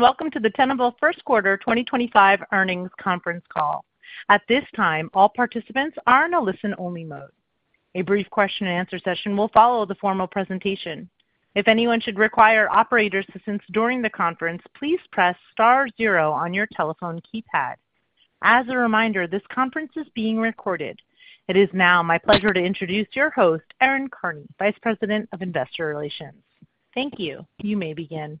Welcome to the Tenable Q1 2025 Earnings Conference Call. At this time, all participants are in a listen-only mode. A brief question-and-answer session will follow the formal presentation. If anyone should require operator assistance during the conference, please press star zero on your telephone keypad. As a reminder, this conference is being recorded. It is now my pleasure to introduce your host, Erin Carney, Vice President of Investor Relations. Thank you. You may begin. Thank you,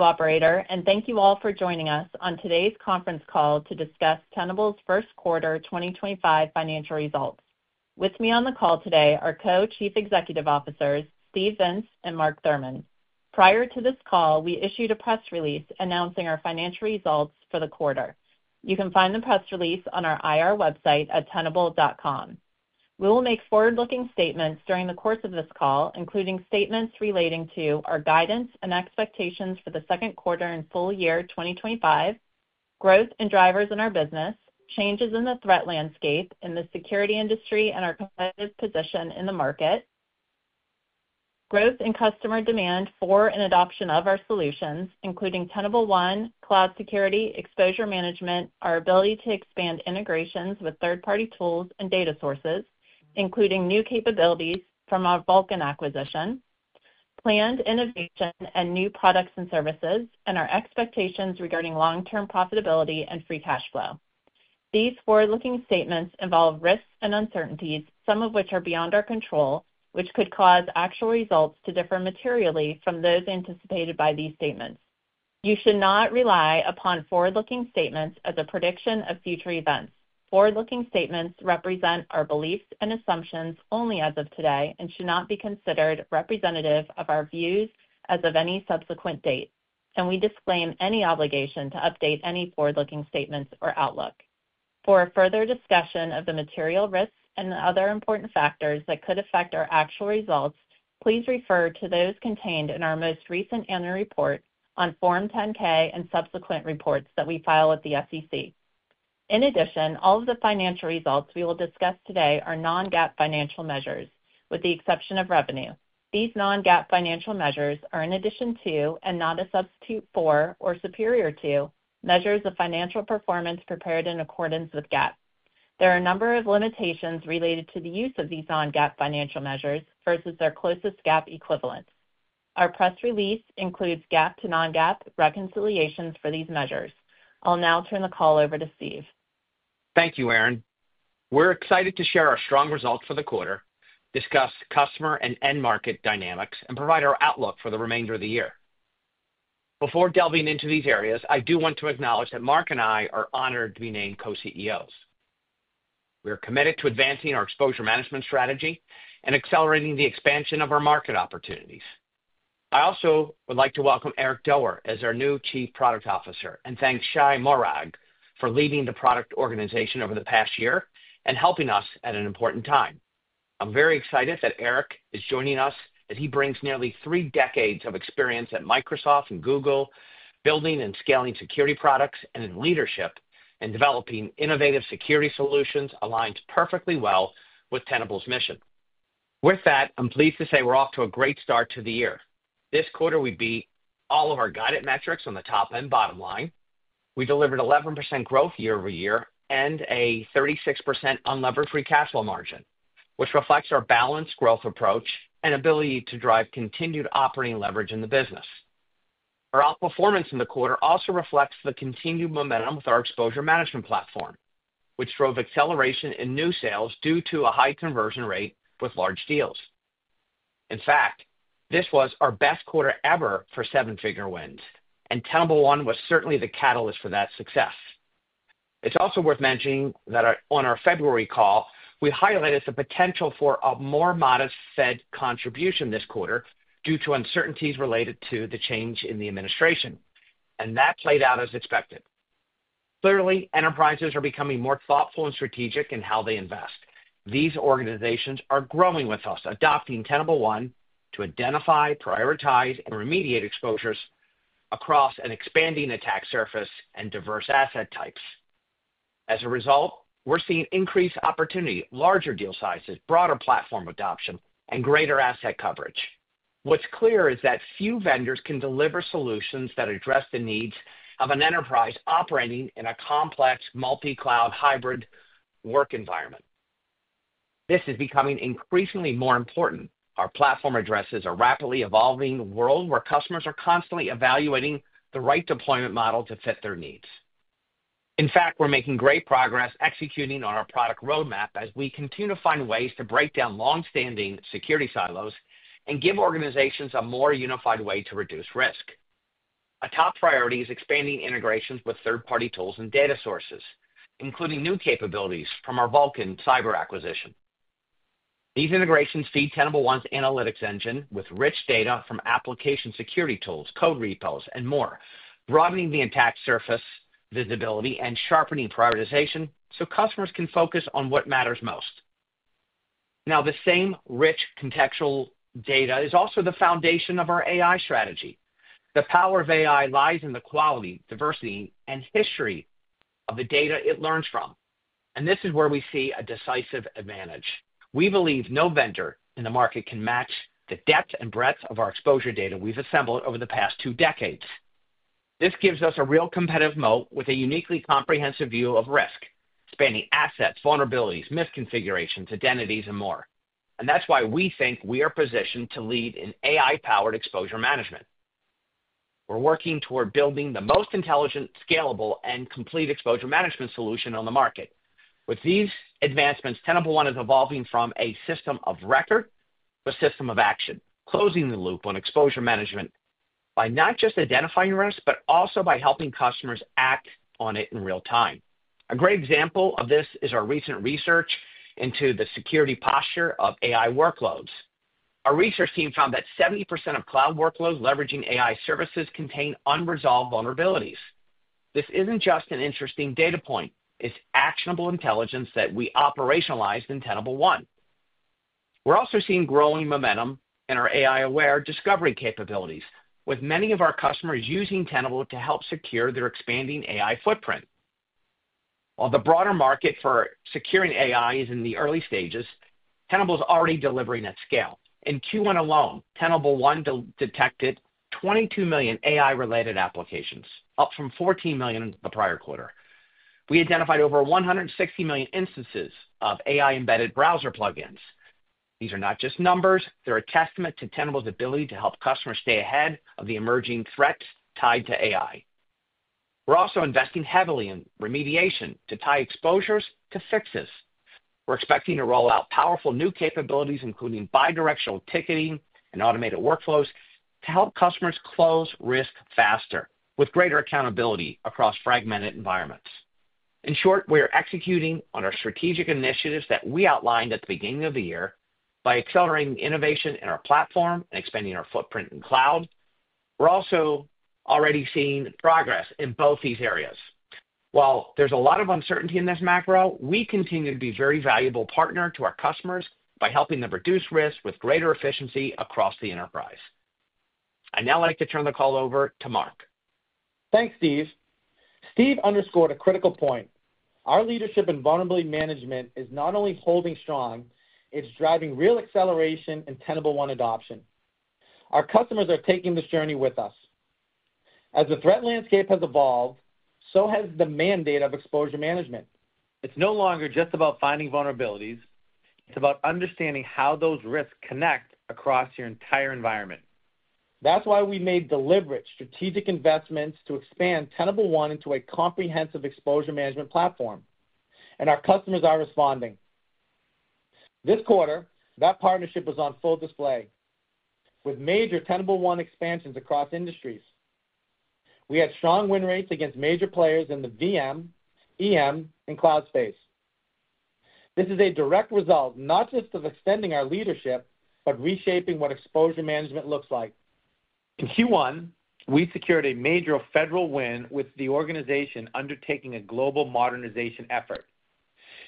Operator, and thank you all for joining us on today's conference call to discuss Tenable's Q1 2025 Financial Results. With me on the call today are Co-Chief Executive Officers, Steve Vintz and Mark Thurmond. Prior to this call, we issued a press release announcing our financial results for the quarter. You can find the press release on our IR website at tenable.com. We will make forward-looking statements during the course of this call, including statements relating to our guidance and expectations for the Q2 and full year 2025, growth and drivers in our business, changes in the threat landscape in the security industry, and our competitive position in the market, growth in customer demand for and adoption of our solutions, including Tenable One cloud security, exposure management, our ability to expand integrations with third-party tools and data sources, including new capabilities from our Vulcan acquisition, planned innovation and new products and services, and our expectations regarding long-term profitability and free cash flow. These forward-looking statements involve risks and uncertainties, some of which are beyond our control, which could cause actual results to differ materially from those anticipated by these statements. You should not rely upon forward-looking statements as a prediction of future events. Forward-looking statements represent our beliefs and assumptions only as of today and should not be considered representative of our views as of any subsequent date. We disclaim any obligation to update any forward-looking statements or outlook. For further discussion of the material risks and other important factors that could affect our actual results, please refer to those contained in our most recent annual report on Form 10-K and subsequent reports that we file with the SEC. In addition, all of the financial results we will discuss today are non-GAAP financial measures, with the exception of revenue. These non-GAAP financial measures are in addition to, and not a substitute for, or superior to, measures of financial performance prepared in accordance with GAAP. There are a number of limitations related to the use of these non-GAAP financial measures versus their closest GAAP equivalents. Our press release includes GAAP to non-GAAP reconciliations for these measures. I'll now turn the call over to Steve. Thank you, Erin. We're excited to share our strong results for the quarter, discuss customer and end market dynamics, and provide our outlook for the remainder of the year. Before delving into these areas, I do want to acknowledge that Mark and I are honored to be named Co-CEOs. We are committed to advancing our exposure management strategy and accelerating the expansion of our market opportunities. I also would like to welcome Eric Doerr as our new Chief Product Officer and thank Shai Morag for leading the product organization over the past year and helping us at an important time. I'm very excited that Eric is joining us as he brings nearly three decades of experience at Microsoft and Google building and scaling security products and in leadership and developing innovative security solutions aligned perfectly well with Tenable's mission. With that, I'm pleased to say we're off to a great start to the year. This quarter, we beat all of our guided metrics on the top and bottom line. We delivered 11% growth year over year and a 36% unlevered free cash flow margin, which reflects our balanced growth approach and ability to drive continued operating leverage in the business. Our outperformance in the quarter also reflects the continued momentum with our exposure management platform, which drove acceleration in new sales due to a high conversion rate with large deals. In fact, this was our best quarter ever for seven-figure wins, and Tenable One was certainly the catalyst for that success. It's also worth mentioning that on our February call, we highlighted the potential for a more modest Fed contribution this quarter due to uncertainties related to the change in the administration, and that played out as expected. Clearly, enterprises are becoming more thoughtful and strategic in how they invest. These organizations are growing with us, adopting Tenable One to identify, prioritize, and remediate exposures across an expanding attack surface and diverse asset types. As a result, we're seeing increased opportunity, larger deal sizes, broader platform adoption, and greater asset coverage. What's clear is that few vendors can deliver solutions that address the needs of an enterprise operating in a complex multi-cloud hybrid work environment. This is becoming increasingly more important. Our platform addresses a rapidly evolving world where customers are constantly evaluating the right deployment model to fit their needs. In fact, we're making great progress executing on our product roadmap as we continue to find ways to break down long-standing security silos and give organizations a more unified way to reduce risk. A top priority is expanding integrations with third-party tools and data sources, including new capabilities from our Vulcan Cyber acquisition. These integrations feed Tenable One's analytics engine with rich data from application security tools, code repos, and more, broadening the attack surface visibility and sharpening prioritization so customers can focus on what matters most. Now, the same rich contextual data is also the foundation of our AI strategy. The power of AI lies in the quality, diversity, and history of the data it learns from. And this is where we see a decisive advantage. We believe no vendor in the market can match the depth and breadth of our exposure data we've assembled over the past two decades. This gives us a real competitive moat with a uniquely comprehensive view of risk, spanning assets, vulnerabilities, misconfigurations, identities, and more. And that's why we think we are positioned to lead in AI-powered exposure management. We are working toward building the most intelligent, scalable, and complete exposure management solution on the market. With these advancements, Tenable One is evolving from a system of record to a system of action, closing the loop on exposure management by not just identifying risk, but also by helping customers act on it in real time. A great example of this is our recent research into the security posture of AI workloads. Our research team found that 70% of cloud workloads leveraging AI services contain unresolved vulnerabilities. This is not just an interesting data point, it is actionable intelligence that we operationalized in Tenable One. We are also seeing growing momentum in our AI-aware discovery capabilities, with many of our customers using Tenable to help secure their expanding AI footprint. While the broader market for securing AI is in the early stages, Tenable is already delivering at scale. In Q1 alone, Tenable One detected 22 million AI-related applications, up from 14 million in the prior quarter. We identified over 160 million instances of AI-embedded browser plugins. These are not just numbers; they're a testament to Tenable's ability to help customers stay ahead of the emerging threats tied to AI. We're also investing heavily in remediation to tie exposures to fixes. We're expecting to roll out powerful new capabilities, including bidirectional ticketing and automated workflows, to help customers close risk faster with greater accountability across fragmented environments. In short, we're executing on our strategic initiatives that we outlined at the beginning of the year by accelerating innovation in our platform and expanding our footprint in cloud. We're also already seeing progress in both these areas. While there's a lot of uncertainty in this macro, we continue to be a very valuable partner to our customers by helping them reduce risk with greater efficiency across the enterprise. I'd now like to turn the call over to Mark. Thanks, Steve. Steve underscored a critical point. Our leadership in vulnerability management is not only holding strong, it's driving real acceleration in Tenable One adoption. Our customers are taking this journey with us. As the threat landscape has evolved, so has the mandate of exposure management. It's no longer just about finding vulnerabilities, it's about understanding how those risks connect across your entire environment. That is why we made deliberate strategic investments to expand Tenable One into a comprehensive exposure management platform. Our customers are responding. This quarter, that partnership was on full display with major Tenable One expansions across industries. We had strong win rates against major players in the VM, EM, and cloud space. This is a direct result not just of extending our leadership, but reshaping what exposure management looks like. In Q1, we secured a major federal win with the organization undertaking a global modernization effort.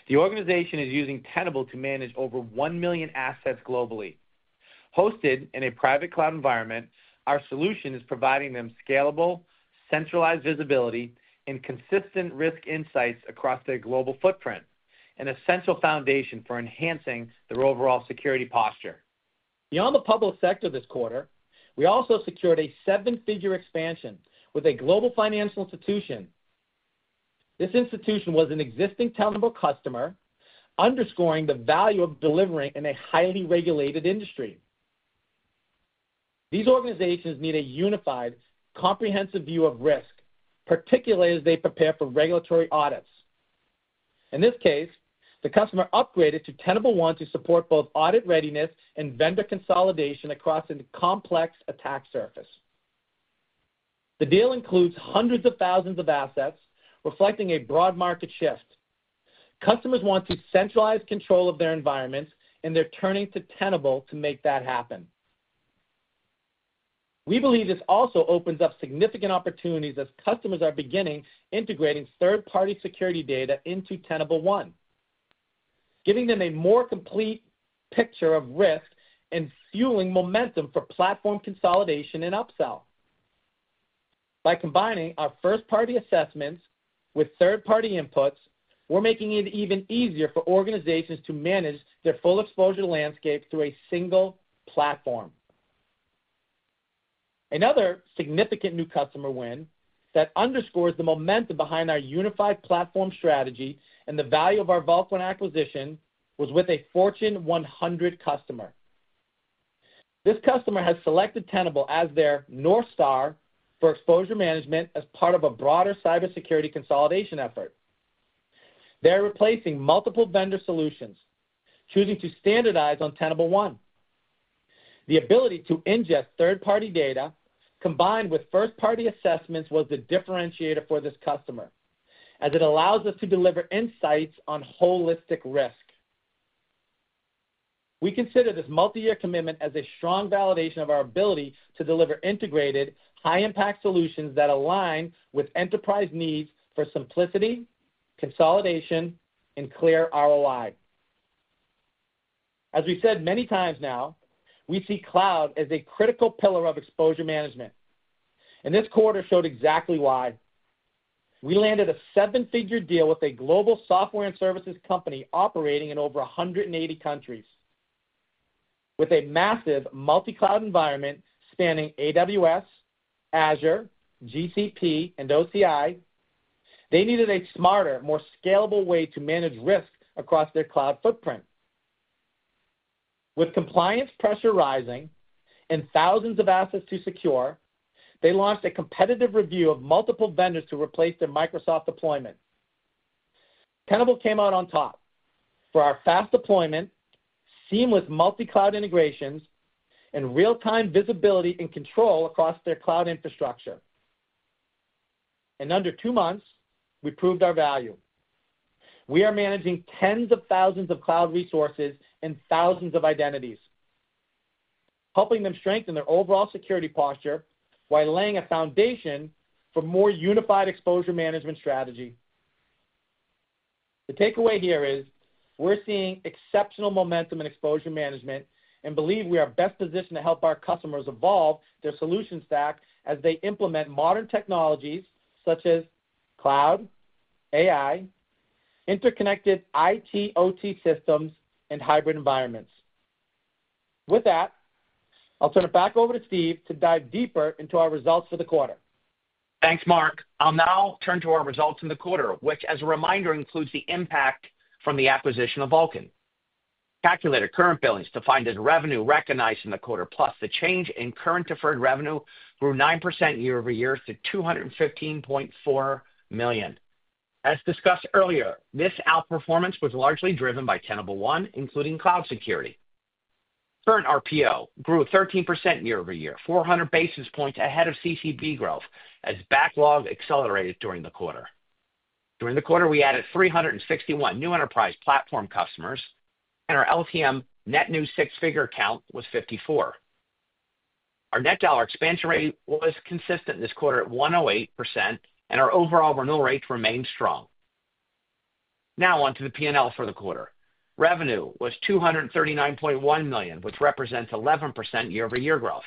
The organization is using Tenable to manage over 1 million assets globally. Hosted in a private cloud environment, our solution is providing them scalable, centralized visibility, and consistent risk insights across their global footprint, an essential foundation for enhancing their overall security posture. Beyond the public sector this quarter, we also secured a seven-figure expansion with a global financial institution. This institution was an existing Tenable customer, underscoring the value of delivering in a highly regulated industry. These organizations need a unified, comprehensive view of risk, particularly as they prepare for regulatory audits. In this case, the customer upgraded to Tenable One to support both audit readiness and vendor consolidation across a complex attack surface. The deal includes hundreds of thousands of assets, reflecting a broad market shift. Customers want to centralize control of their environments, and they're turning to Tenable to make that happen. We believe this also opens up significant opportunities as customers are beginning to integrate third-party security data into Tenable One, giving them a more complete picture of risk and fueling momentum for platform consolidation and upsell. By combining our first-party assessments with third-party inputs, we're making it even easier for organizations to manage their full exposure landscape through a single platform. Another significant new customer win that underscores the momentum behind our unified platform strategy and the value of our Vulcan acquisition was with a Fortune 100 customer. This customer has selected Tenable as their North Star for exposure management as part of a broader cybersecurity consolidation effort. They're replacing multiple vendor solutions, choosing to standardize on Tenable One. The ability to ingest third-party data combined with first-party assessments was the differentiator for this customer, as it allows us to deliver insights on holistic risk. We consider this multi-year commitment as a strong validation of our ability to deliver integrated, high-impact solutions that align with enterprise needs for simplicity, consolidation, and clear ROI. As we've said many times now, we see cloud as a critical pillar of exposure management. And this quarter showed exactly why. We landed a seven-figure deal with a global software and services company operating in over 180 countries. With a massive multi-cloud environment spanning AWS, Azure, GCP, and OCI, they needed a smarter, more scalable way to manage risk across their cloud footprint. With compliance pressure rising and thousands of assets to secure, they launched a competitive review of multiple vendors to replace their Microsoft deployment. Tenable came out on top for our fast deployment, seamless multi-cloud integrations, and real-time visibility and control across their cloud infrastructure. In under two months, we proved our value. We are managing tens of thousands of cloud resources and thousands of identities, helping them strengthen their overall security posture while laying a foundation for a more unified exposure management strategy. The takeaway here is we're seeing exceptional momentum in exposure management and believe we are best positioned to help our customers evolve their solution stack as they implement modern technologies such as cloud, AI, interconnected IT/OT systems, and hybrid environments. With that, I'll turn it back over to Steve to dive deeper into our results for the quarter. Thanks, Mark. I'll now turn to our results in the quarter, which, as a reminder, includes the impact from the acquisition of Vulcan. Calculate our current billings to find that revenue recognized in the quarter, plus the change in current deferred revenue, grew 9% year over year to $215.4 million. As discussed earlier, this outperformance was largely driven by Tenable One, including cloud security. Current RPO grew 13% year over year, 400 basis points ahead of CCB growth as backlog accelerated during the quarter. During the quarter, we added 361 new enterprise platform customers, and our LTM net new six-figure count was 54. Our net dollar expansion rate was consistent this quarter at 108%, and our overall renewal rate remained strong. Now, on to the P&L for the quarter. Revenue was $239.1 million, which represents 11% year over year growth.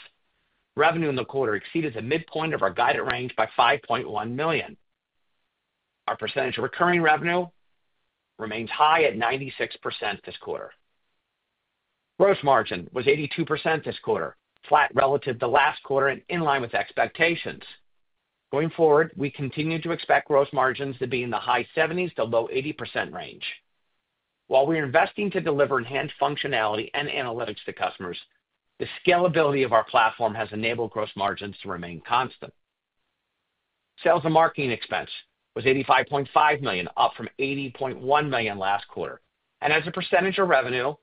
Revenue in the quarter exceeded the midpoint of our guided range by $5.1 million. Our percentage of recurring revenue remains high at 96% this quarter. Gross margin was 82% this quarter, flat relative to last quarter and in line with expectations. Going forward, we continue to expect gross margins to be in the high 70%-low 80% range. While we're investing to deliver enhanced functionality and analytics to customers, the scalability of our platform has enabled gross margins to remain constant. Sales and marketing expense was $85.5 million, up from $80.1 million last quarter. As a percentage of revenue,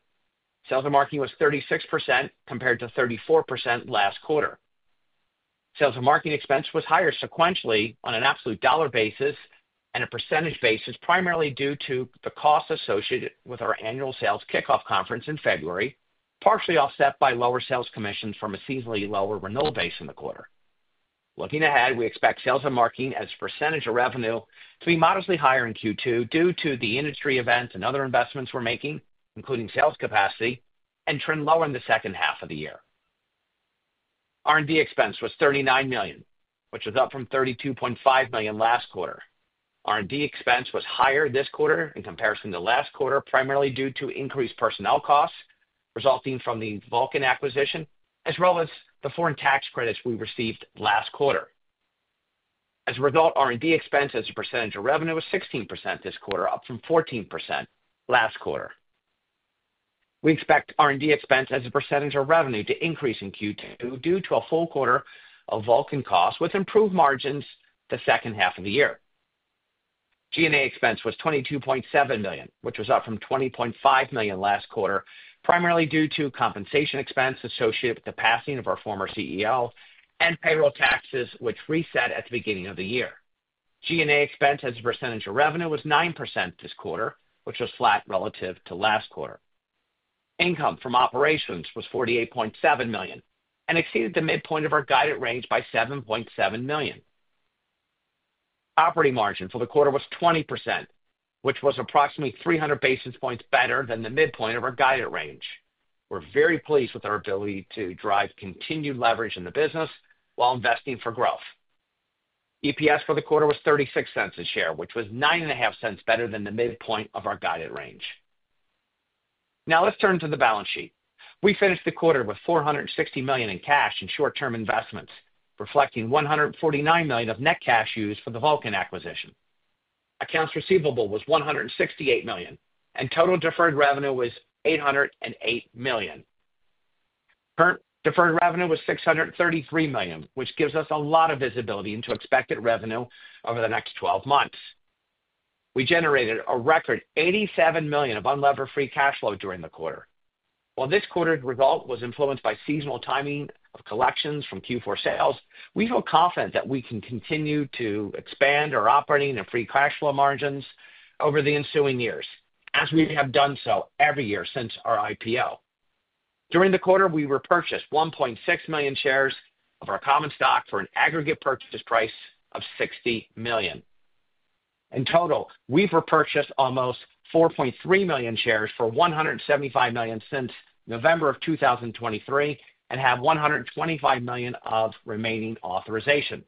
sales and marketing was 36% compared to 34% last quarter. Sales and marketing expense was higher sequentially on an absolute dollar basis and a percentage basis, primarily due to the cost associated with our annual sales kickoff conference in February, partially offset by lower sales commissions from a seasonally lower renewal base in the quarter. Looking ahead, we expect sales and marketing as a percentage of revenue to be modestly higher in Q2 due to the industry events and other investments we're making, including sales capacity, and trend lower in the second half of the year. R&D expense was $39 million, which was up from $32.5 million last quarter. R&D expense was higher this quarter in comparison to last quarter, primarily due to increased personnel costs resulting from the Vulcan acquisition, as well as the foreign tax credits we received last quarter. As a result, R&D expense as a percentage of revenue was 16% this quarter, up from 14% last quarter. We expect R&D expense as a percentage of revenue to increase in Q2 due to a full quarter of Vulcan costs with improved margins the second half of the year. G&A expense was $22.7 million, which was up from $20.5 million last quarter, primarily due to compensation expense associated with the passing of our former CEO and payroll taxes, which reset at the beginning of the year. G&A expense as a percentage of revenue was 9% this quarter, which was flat relative to last quarter. Income from operations was $48.7 million and exceeded the midpoint of our guided range by $7.7 million. Operating margin for the quarter was 20%, which was approximately 300 basis points better than the midpoint of our guided range. We're very pleased with our ability to drive continued leverage in the business while investing for growth. EPS for the quarter was $0.36 a share, which was $0.095 better than the midpoint of our guided range. Now, let's turn to the balance sheet. We finished the quarter with $460 million in cash and short-term investments, reflecting $149 million of net cash used for the Vulcan acquisition. Accounts receivable was $168 million, and total deferred revenue was $808 million. Current deferred revenue was $633 million, which gives us a lot of visibility into expected revenue over the next 12 months. We generated a record $87 million of unlevered free cash flow during the quarter. While this quarter's result was influenced by seasonal timing of collections from Q4 sales, we feel confident that we can continue to expand our operating and free cash flow margins over the ensuing years, as we have done so every year since our IPO. During the quarter, we repurchased 1.6 million shares of our common stock for an aggregate purchase price of $60 million. In total, we've repurchased almost 4.3 million shares for $175 million since November of 2023 and have $125 million of remaining authorization.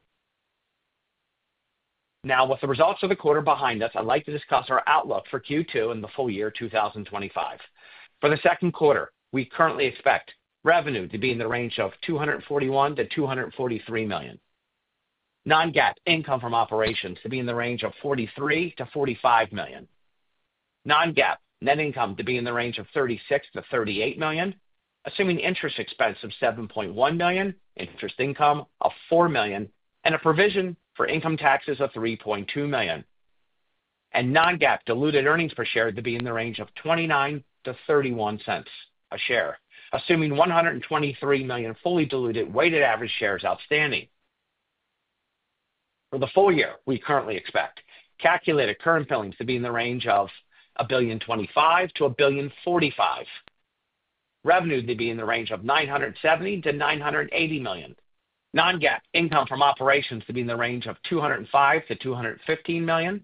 Now, with the results of the quarter behind us, I'd like to discuss our outlook for Q2 and the full year 2025. For the second quarter, we currently expect revenue to be in the range of $241-$243 million. Non-GAAP income from operations to be in the range of $43-$45 million. Non-GAAP net income to be in the range of $36-$38 million, assuming interest expense of $7.1 million, interest income of $4 million, and a provision for income taxes of $3.2 million. And Non-GAAP diluted earnings per share to be in the range of $0.29-$0.31 a share, assuming 123 million fully diluted weighted average shares outstanding. For the full year, we currently expect calculated current billings to be in the range of $1,025-$1,045 million. Revenue to be in the range of $970-$980 million. Non-GAAP income from operations to be in the range of $205-$215 million.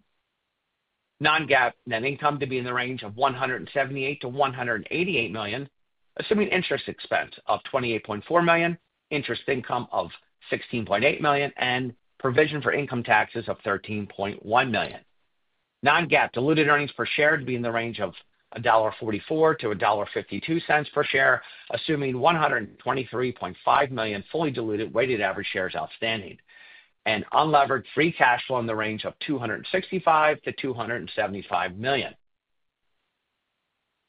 Non-GAAP net income to be in the range of $178-$188 million, assuming interest expense of $28.4 million, interest income of $16.8 million, and provision for income taxes of $13.1 million. Non-GAAP diluted earnings per share to be in the range of $1.44-$1.52 per share, assuming 123.5 million fully diluted weighted average shares outstanding. Unlevered free cash flow in the range of $265-$275 million.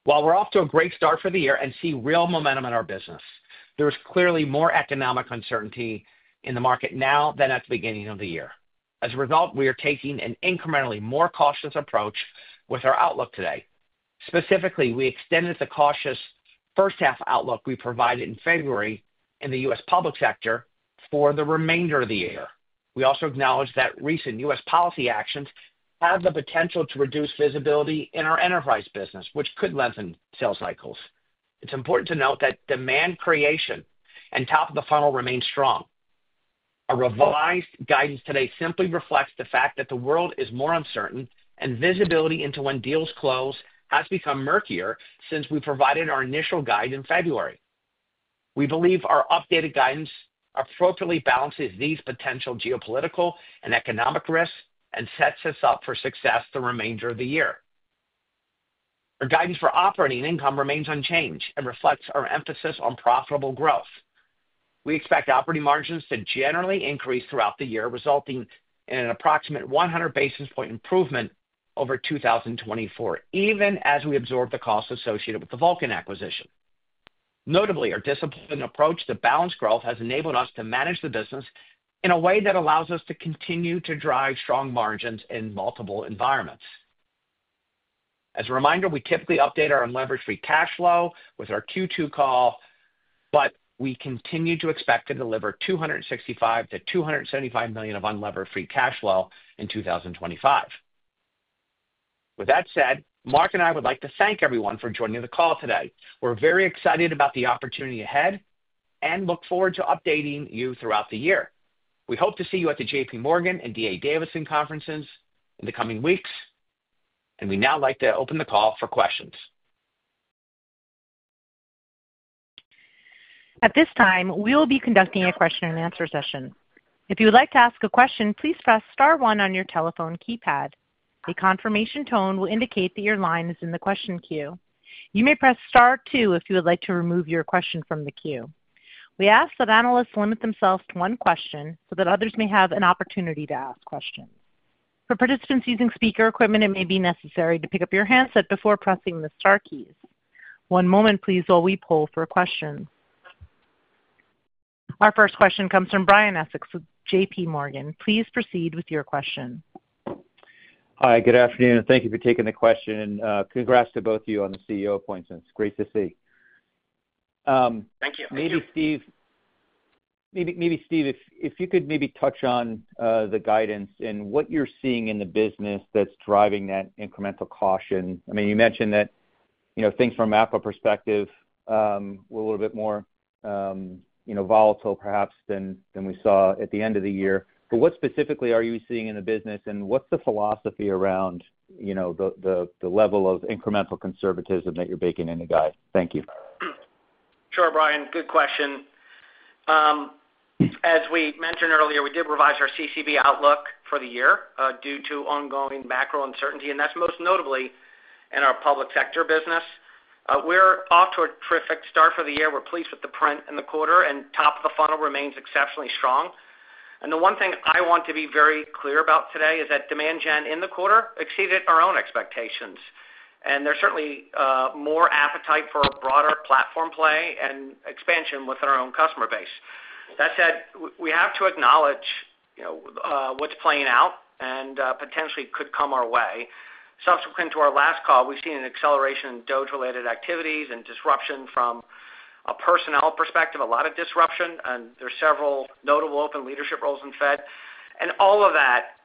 While we're off to a great start for the year and see real momentum in our business, there is clearly more economic uncertainty in the market now than at the beginning of the year. As a result, we are taking an incrementally more cautious approach with our outlook today. Specifically, we extended the cautious first-half outlook we provided in February in the US public sector for the remainder of the year. We also acknowledge that recent US policy actions have the potential to reduce visibility in our enterprise business, which could lengthen sales cycles. It's important to note that demand creation and top of the funnel remain strong. Our revised guidance today simply reflects the fact that the world is more uncertain, and visibility into when deals close has become murkier since we provided our initial guide in February. We believe our updated guidance appropriately balances these potential geopolitical and economic risks and sets us up for success the remainder of the year. Our guidance for operating income remains unchanged and reflects our emphasis on profitable growth. We expect operating margins to generally increase throughout the year, resulting in an approximate 100 basis point improvement over 2024, even as we absorb the costs associated with the Vulcan acquisition. Notably, our disciplined approach to balance growth has enabled us to manage the business in a way that allows us to continue to drive strong margins in multiple environments. As a reminder, we typically update our unlevered free cash flow with our Q2 call, but we continue to expect to deliver $265-$275 million of unlevered free cash flow in 2025. With that said, Mark and I would like to thank everyone for joining the call today. We're very excited about the opportunity ahead and look forward to updating you throughout the year. We hope to see you at the J.P. Morgan and D.A. Davidson conferences in the coming weeks, and we now like to open the call for questions. At this time, we'll be conducting a question-and-answer session. If you would like to ask a question, please press Star one on your telephone keypad. A confirmation tone will indicate that your line is in the question queue. You may press Star two if you would like to remove your question from the queue. We ask that analysts limit themselves to one question so that others may have an opportunity to ask questions. For participants using speaker equipment, it may be necessary to pick up your handset before pressing the Star keys. One moment, please, while we poll for a question. Our first question comes from Brian Essex with J.P. Morgan. Please proceed with your question. Hi, good afternoon, and thank you for taking the question. Congrats to both of you on the CEO appointments. Great to see. Thank you. Maybe Steve, maybe Steve if you could maybe touch on the guidance and what you're seeing in the business that's driving that incremental caution. I mean, you mentioned that you know things from an perspective were a little bit more you know volatile, perhaps, than we saw at the end of the year. What specifically are you seeing in the business, and what's the philosophy around you know the level of incremental conservatism that you're baking in the guide? Thank you. Sure, Brian. Good question. As we mentioned earlier, we did revise our CCB outlook for the year due to ongoing macro uncertainty, and that's most notably in our public sector business. We're off to a terrific start for the year. We're pleased with the print in the quarter, and top of the funnel remains exceptionally strong. And the one thing I want to be very clear about today is that demand gen in the quarter exceeded our own expectations. And there's certainly more appetite for a broader platform play and expansion within our own customer base. That said, we have to acknowledge you know what's playing out and potentially could come our way. Subsequent to our last call, we've seen an acceleration in Fed-related activities and disruption from a personnel perspective, a lot of disruption, and there's several notable open leadership roles in Fed. And all of that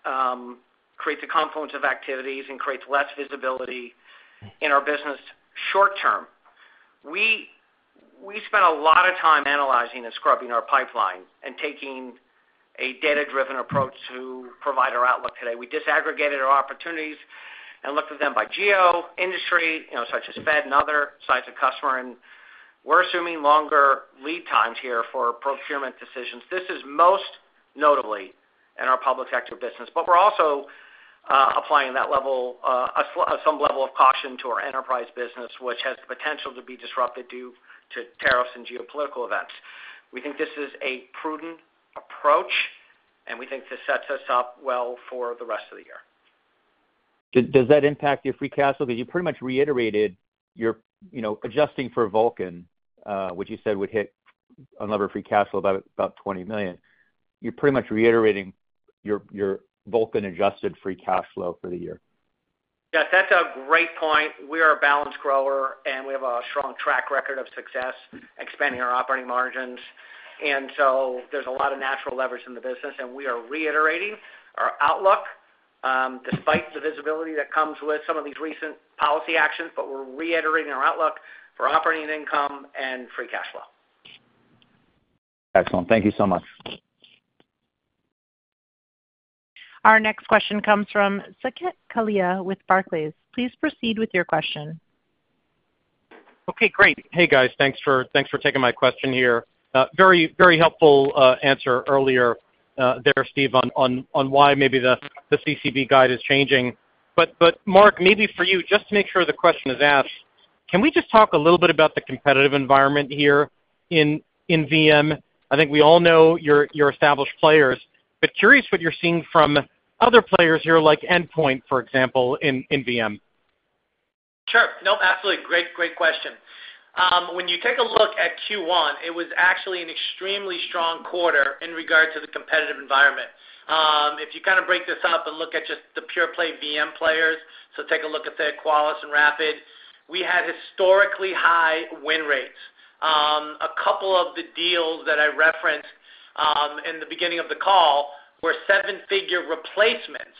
creates a confluence of activities and creates less visibility in our business short term. We spent a lot of time analyzing and scrubbing our pipeline and taking a data-driven approach to provide our outlook today. We disaggregated our opportunities and looked at them by geo, industry, such as Fed and other sites of customer, and we are assuming longer lead times here for procurement decisions. This is most notably in our public sector business, but we are also applying some level of caution to our enterprise business, which has the potential to be disrupted due to tariffs and geopolitical events. We think this is a prudent approach, and we think this sets us up well for the rest of the year. Does that impact your free cash flow? Because you pretty much reiterated your you know adjusting for Vulcan, which you said would hit unlevered free cash flow by about $20 million. You're pretty much reiterating your Vulcan-adjusted free cash flow for the year. Yes, that's a great point. We are a balanced grower, and we have a strong track record of success expanding our operating margins. And so there is a lot of natural leverage in the business, and we are reiterating our outlook despite the visibility that comes with some of these recent policy actions, but we are reiterating our outlook for operating income and free cash flow. Excellent. Thank you so much. Our next question comes from Saket Kalia with Barclays. Please proceed with your question. Okay, great. Hey, guys. Thanks for taking my question here. Very, very helpful answer earlier there, Steve, on why maybe the CCB guide is changing. But Mark, maybe for you, just to make sure the question is asked, can we just talk a little bit about the competitive environment here in VM? I think we all know you're established players, but curious what you're seeing from other players here like Endpoint, for example, in VM. Sure. No, absolutely. Great, great question. When you take a look at Q1, it was actually an extremely strong quarter in regard to the competitive environment. If you kind of break this up and look at just the pure-play VM players, so take a look at the Qualys and Rapid, we had historically high win rates. A couple of the deals that I referenced in the beginning of the call were seven-figure replacements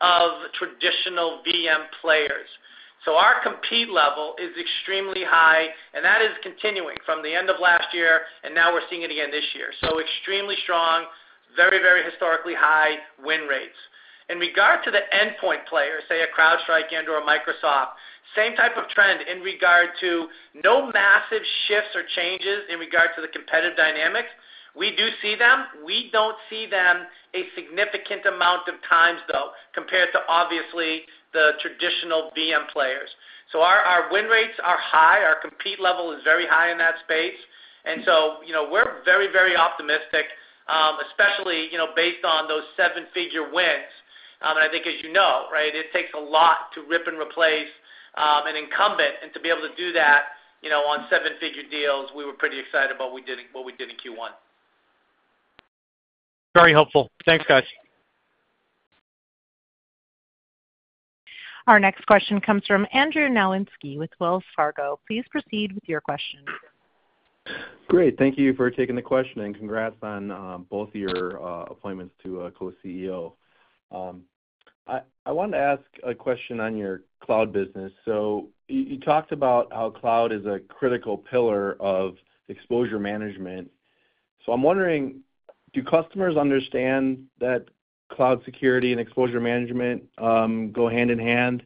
of traditional VM players. So our compete level is extremely high, and that is continuing from the end of last year, and now we're seeing it again this year. So extremely strong, very, very historically high win rates. In regard to the endpoint players, say a CrowdStrike and/or a Microsoft, same type of trend in regard to no massive shifts or changes in regard to the competitive dynamics. We do see them. We don't see them a significant amount of times, though, compared to obviously the traditional VM players. So our win rates are high. Our compete level is very high in that space. And so we're very, very optimistic, especially based on those seven-figure wins. I think, as you know, it takes a lot to rip and replace an incumbent, and to be able to do that on seven-figure deals, we were pretty excited about what we did in Q1. Very helpful. Thanks, guys. Our next question comes from Andrew Nowinski with Wells Fargo. Please proceed with your question. Great. Thank you for taking the question, and congrats on both of your appointments to a Co-CEO. I wanted to ask a question on your cloud business. So you talked about how cloud is a critical pillar of exposure management. I'm wondering, do customers understand that cloud security and exposure management go hand in hand?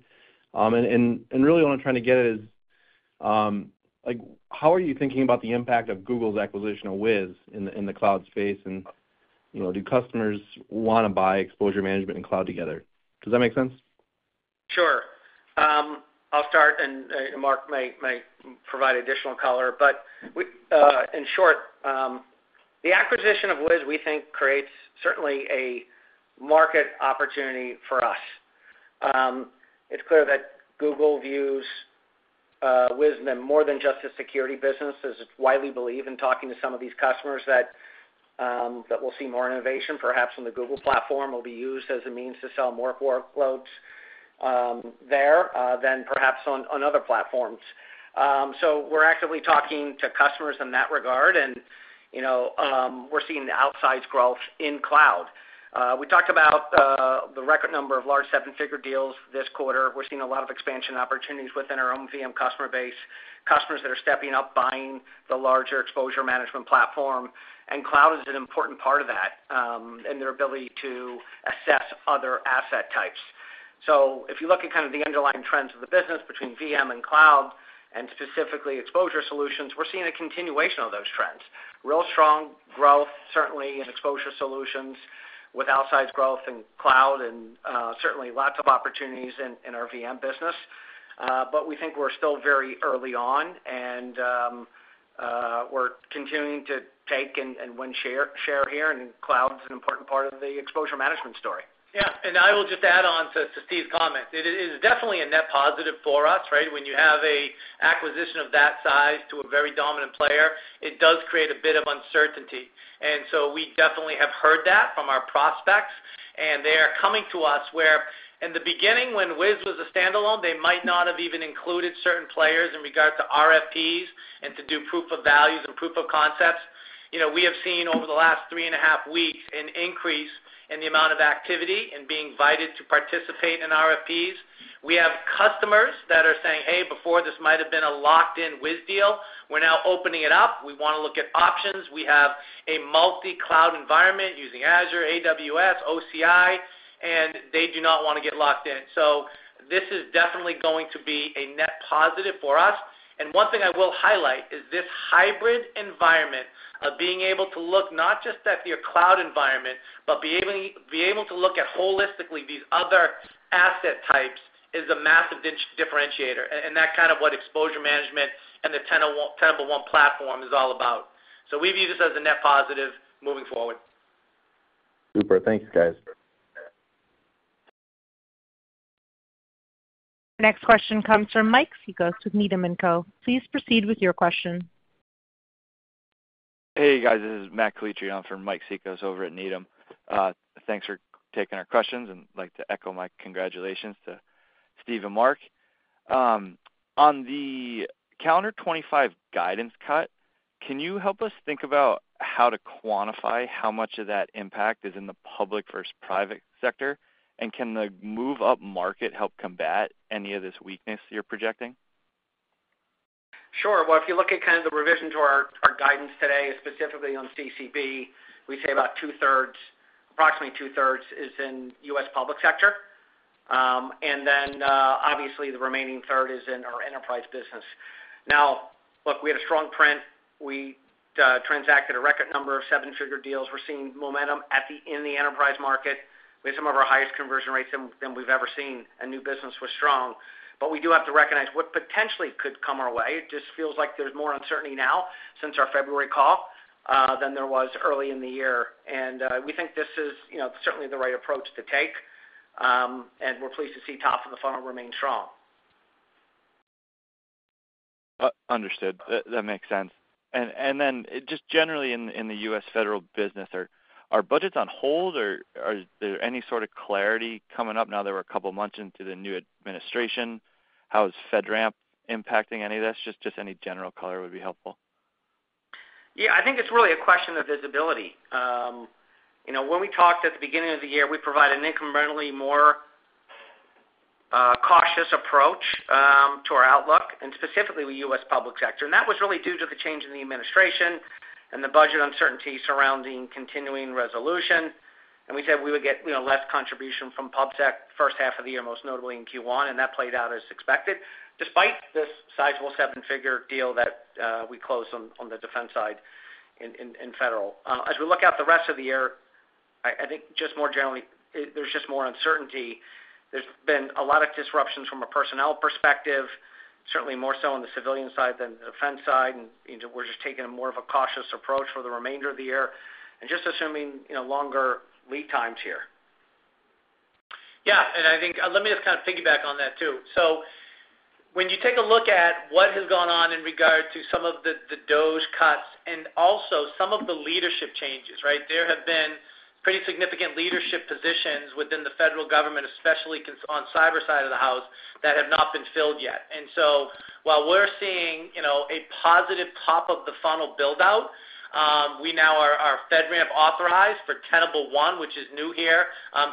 I mean and really what I'm trying to get is ike how are you thinking about the impact of Google's acquisition of Wiz in the cloud space, and do customers want to buy exposure management and cloud together? Does that make sense? Sure. I'll start, and Mark may provide additional color but in short, the acquisition of Wiz, we think, creates certainly a market opportunity for us. It's clear that Google views Wiz more than just a security business, as it's widely believed. Talking to some of these customers, we'll see more innovation, perhaps on the Google platform, will be used as a means to sell more workloads there than perhaps on another platforms. So we are actively talking to customers in that regard, and you know we are seeing outsized growth in cloud. We talked about the record number of large seven-figure deals this quarter. We are seeing a lot of expansion opportunities within our own VM customer base, customers that are stepping up, buying the larger Exposure Management platform. Cloud is an important part of that in their ability to assess other asset types. If you look at kind of the underlying trends of the business between VM and cloud, and specifically exposure solutions, we're seeing a continuation of those trends. Real strong growth, certainly in exposure solutions with outsized growth in cloud, and certainly lots of opportunities in our VM business. But we think we're still very early on, and we're continuing to take and win share here, and cloud is an important part of the exposure management story. Yeah. I will just add on to Steve's comment. It is definitely a net positive for us, right? When you have an acquisition of that size to a very dominant player, it does create a bit of uncertainty. And so we definitely have heard that from our prospects, and they are coming to us where, in the beginning, when Wiz was a standalone, they might not have even included certain players in regard to RFPs and to do proof of values and proof of concepts. You know we have seen over the last three and a half weeks an increase in the amount of activity and being invited to participate in RFPs. We have customers that are saying, "Hey, before, this might have been a locked-in Wiz deal. We're now opening it up. We want to look at options. We have a multi-cloud environment using Azure, AWS, OCI, and they do not want to get locked in." So this is definitely going to be a net positive for us. One thing I will highlight is this hybrid environment of being able to look not just at your cloud environment, but be able to look at holistically with these other asset types is a massive differentiator. And that is kind of what Exposure Management and the Tenable One platform is all about. We view this as a net positive moving forward. Super. Thank you, guys. Our next question comes from Mike Cikos with Needham & Co. Please proceed with your question. Hey, guys. This is Matt Kalichian from Mike Cikos over at Needham. Thanks for taking our questions, and I'd like to echo my congratulations to Steve and Mark. On the Calendar 2025 guidance cut, can you help us think about how to quantify how much of that impact is in the public versus private sector? And can that move-up market help combat any of this weakness you're projecting? Sure. If you look at kind of the revision to our guidance today, specifically on CCB, we say about two-thirds, approximately two-thirds, is in U.S. public sector. And then obviously, the remaining third is in our enterprise business. Now, look, we had a strong print. We transacted a record number of seven-figure deals. We're seeing momentum in the enterprise market. We have some of our highest conversion rates than we've ever seen. And new business was strong. But we do have to recognize what potentially could come our way, just feels like there's more uncertainty now since our February call than there was early in the year. And we think this is certainly the right approach to take, and we're pleased to see top of the funnel remain strong. Understood. That makes sense. And then its Just generally in the US federal business, are budgets on hold? Is there any sort of clarity coming up now that we're a couple of months into the new administration? How is FedRAMP impacting any of this? Just any general color would be helpful. Yeah. I think it's really a question of visibility. You know when we talked at the beginning of the year, we provided an incrementally more cautious approach to our outlook, and specifically the U.S. public sector. That was really due to the change in the administration and the budget uncertainty surrounding continuing resolution. And we said we would get less contribution from PubTech the first half of the year, most notably in Q1, and that played out as expected, despite this sizable seven-figure deal that we closed on the defense side in federal. As we look at the rest of the year, I think just more generally, there's just more uncertainty. There's been a lot of disruptions from a personnel perspective, certainly more so on the civilian side than the defense side. We're just taking more of a cautious approach for the remainder of the year, and just assuming longer lead times here. Yeah. I think let me just kind of piggyback on that too. So when you take a look at what has gone on in regard to some of the budget cuts and also some of the leadership changes, right, there have been pretty significant leadership positions within the federal government, especially on the cyber side of the house, that have not been filled yet. And so while we're seeing you know a positive top-of-the-funnel build-out, we now are FedRAMP authorized for Tenable One, which is new here,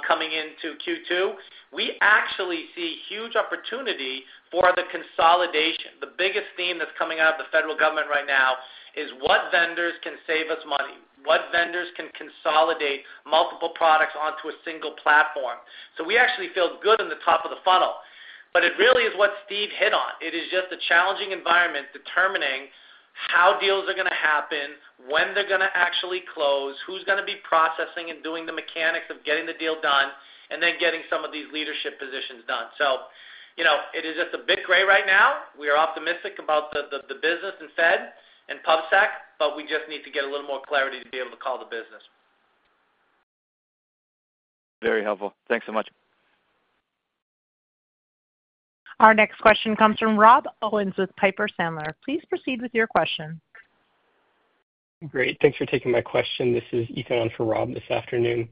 coming into Q2. We actually see huge opportunity for the consolidation. The biggest theme that's coming out of the federal government right now is what vendors can save us money, what vendors can consolidate multiple products onto a single platform. So we actually feel good on the top of the funnel. But it really is what Steve hit on. It is just a challenging environment determining how deals are gonna happen, when they're gonna actually close, who's gonna be processing and doing the mechanics of getting the deal done, and then getting some of these leadership positions done. So you know it is just a bit gray right now. We are optimistic about the business in Fed and PubTech, but we just need to get a little more clarity to be able to call the business. Very helpful. Thanks so much. Our next question comes from Rob Owens with Piper Sandler. Please proceed with your question. Great. Thanks for taking my question. This is Ethan for Rob this afternoon.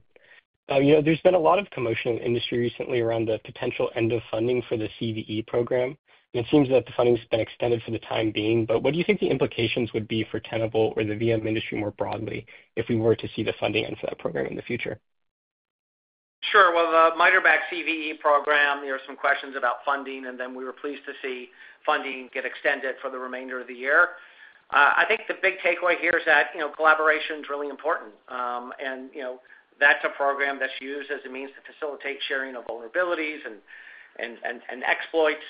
There's been a lot of commotion in the industry recently around the potential end of funding for the CVE program. It seems that the funding has been extended for the time being. But what do you think the implications would be for Tenable or the VM industry more broadly if we were to see the funding end for that program in the future? Sure. The MITRE CVE program, there were some questions about funding, and then we were pleased to see funding get extended for the remainder of the year. I think the big takeaway here is that you know collaboration is really important. And you know that's a program that's used as a means to facilitate sharing of vulnerabilities and exploits.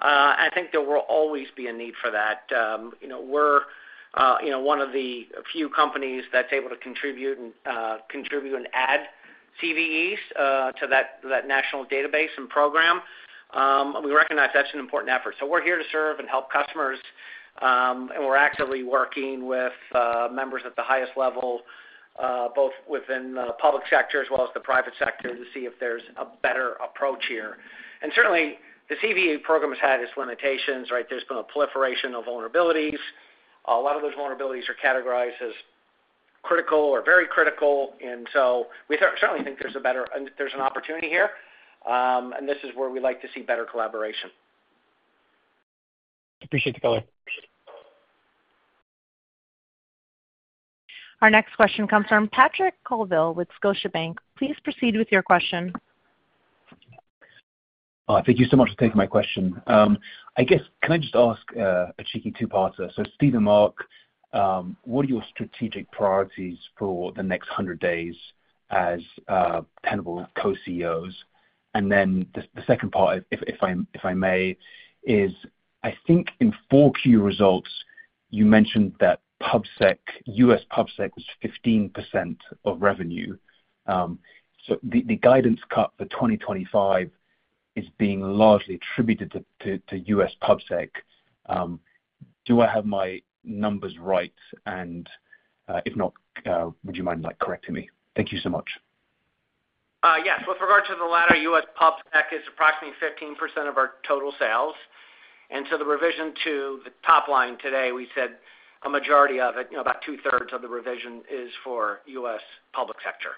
I think there will always be a need for that. We're you know one of the few companies that's able to contribute and add CVEs to that national database and program. We recognize that's an important effort. We're here to serve and help customers. We're actively working with members at the highest level, both within the public sector as well as the private sector, to see if there's a better approach here. And certainly, the CVE program has had its limitations, right? There's been a proliferation of vulnerabilities. A lot of those vulnerabilities are categorized as critical or very critical. And so we certainly think there's an opportunity here, and this is where we'd like to see better collaboration. Appreciate the color. Our next question comes from Patrick Colville with Scotiabank. Please proceed with your question. Thank you so much for taking my question. I guess, can I just ask a cheeky two-parter? Steve and Mark, what are your strategic priorities for the next 100 days as Tenable Co-CEOs? And then the second part, if I may, is I think in Q4 results, you mentioned that PubTech US PubTech was 15% of revenue. So the guidance cut for 2025 is being largely attributed to US PubTech. Do I have my numbers right? And if not, would you mind correcting me? Thank you so much. Yes. With regard to the latter, US PubTech is approximately 15% of our total sales. And so the revision to the top line today, we said a majority of it, about two-thirds of the revision, is for US public sector.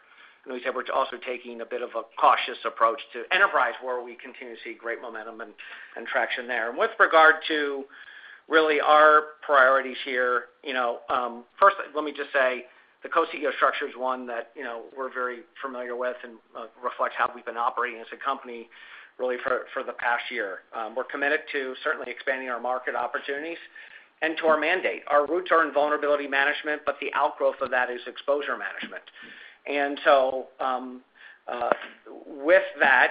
We said we're also taking a bit of a cautious approach to enterprise, where we continue to see great momentum and traction there. With regard to really our priorities here, you know first, let me just say the Co-CEO structure is one that you know we're very familiar with and reflects how we've been operating as a company really for the past year. We're committed to certainly expanding our market opportunities and to our mandate. Our roots are in vulnerability management, but the outgrowth of that is exposure management. And so with that,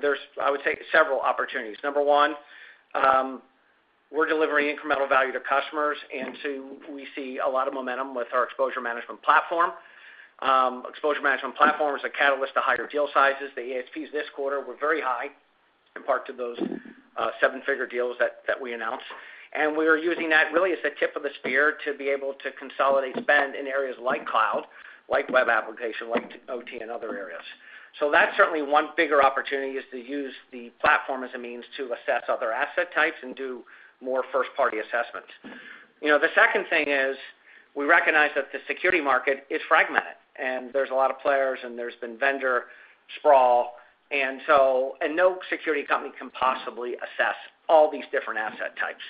there's, I would say, several opportunities. Number one, we're delivering incremental value to customers. And two, we see a lot of momentum with our exposure management platform. Exposure management platform is a catalyst to higher deal sizes. The ASPs this quarter were very high, in part to those seven-figure deals that we announced. And we are using that really as the tip of the spear to be able to consolidate spend in areas like cloud, like web application, like OT, and other areas. So that is certainly one bigger opportunity, to use the platform as a means to assess other asset types and do more first-party assessments. You know the second thing is we recognize that the security market is fragmented, and there are a lot of players, and there has been vendor sprawl. And so no security company can possibly assess all these different asset types.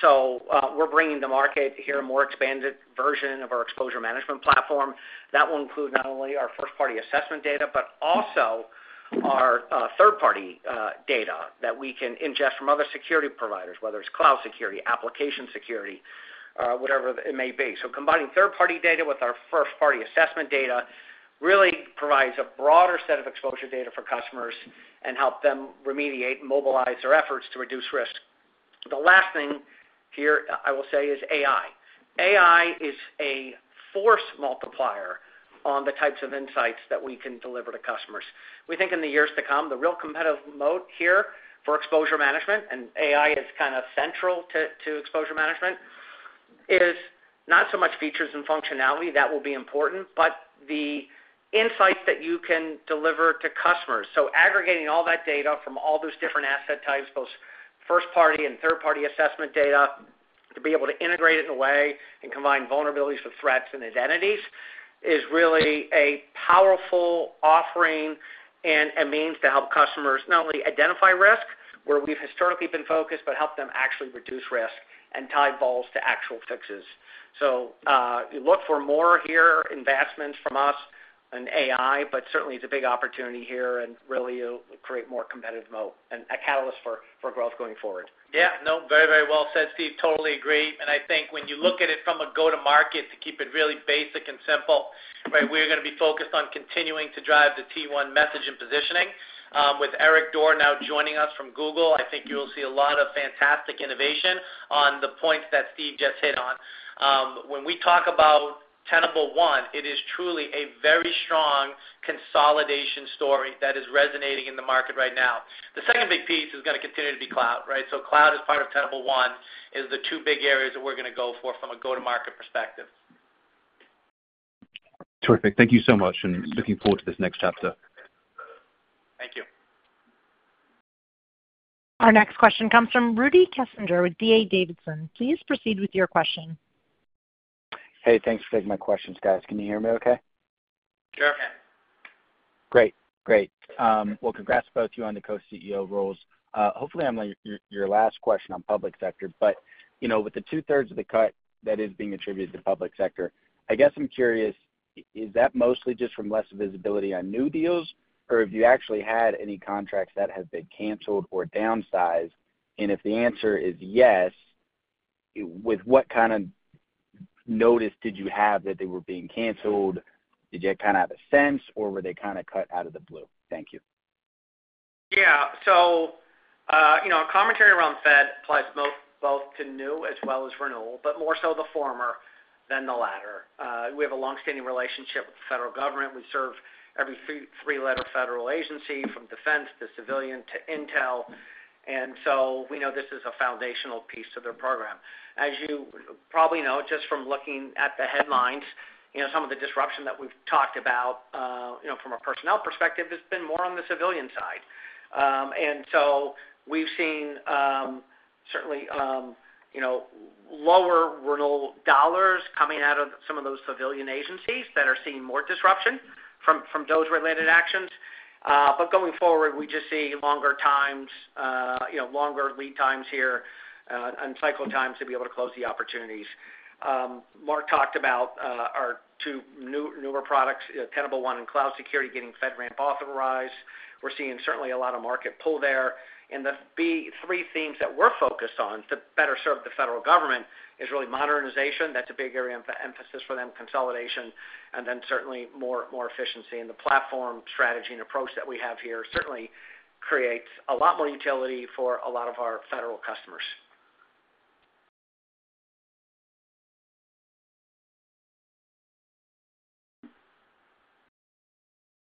So we are bringing to market here a more expanded version of our exposure management platform. That will include not only our first-party assessment data, but also our third-party data that we can ingest from other security providers, whether it's cloud security, application security, whatever it may be. So combining third-party data with our first-party assessment data really provides a broader set of exposure data for customers and helps them remediate and mobilize their efforts to reduce risk. The last thing here I will say is AI. AI is a force multiplier on the types of insights that we can deliver to customers. We think in the years to come, the real competitive moat here for exposure management, and AI is kind of central to exposure management, is not so much features and functionality that will be important, but the insights that you can deliver to customers. So aggregating all that data from all those different asset types, both first-party and third-party assessment data, to be able to integrate it in a way and combine vulnerabilities with threats and identities is really a powerful offering and a means to help customers not only identify risk, where we've historically been focused, but help them actually reduce risk and tie balls to actual fixes. So you look for more here investments from us in AI, but certainly it's a big opportunity here and really create more competitive moat and a catalyst for growth going forward. Yeah. No, very, very well said, Steve. Totally agree. I think when you look at it from a go-to-market to keep it really basic and simple, right, we're going to be focused on continuing to drive the T1 message and positioning. With Eric Doerr now joining us from Google, I think you'll see a lot of fantastic innovation on the points that Steve just hit on. When we talk about Tenable One, it is truly a very strong consolidation story that is resonating in the market right now. The second big piece is going to continue to be cloud, right? Cloud as part of Tenable One is the two big areas that we're going to go for from a go-to-market perspective. Terrific. Thank you so much, and looking forward to this next chapter. Thank you. Our next question comes from Rudy Kessinger with D.A. Davidson. Please proceed with your question. Hey, thanks for taking my questions, guys. Can you hear me okay? Sure. Great. Great. Congrats to both of you on the Co-CEO roles. Hopefully, I'm on your last question on public sector. With the two-thirds of the cut that is being attributed to public sector, I guess I'm curious, is that mostly just from less visibility on new deals, or have you actually had any contracts that have been canceled or downsized? And if the answer is yes, with what kind of notice did you have that they were being canceled? Did you kind of have a sense, or were they kind of cut out of the blue? Thank you. Yeah. So you know commentary around Fed applies both to new as well as renewal, but more so the former than the latter. We have a longstanding relationship with the federal government. We serve every three-letter federal agency, from defense to civilian to intel. And so we know this is a foundational piece of their program. As you probably know, just from looking at the headlines, you know some of the disruption that we've talked about you know from a personnel perspective has been more on the civilian side. And so we've seen certainly you know lower renewal dollars coming out of some of those civilian agencies that are seeing more disruption from those related actions. But going forward, we just see longer times you know longer lead times here and cycle times to be able to close the opportunities. Mark talked about our two newer products, Tenable One and Cloud Security, getting FedRAMP authorized. We're seeing certainly a lot of market pull there. And the three themes that we're focused on to better serve the federal government is really modernization. That's a big area of emphasis for them, consolidation, and then certainly more efficiency. The platform strategy and approach that we have here certainly creates a lot more utility for a lot of our federal customers.